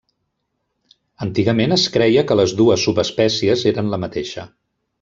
Antigament es creia que les dues subespècies eren la mateixa.